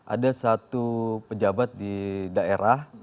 ada satu pejabat di daerah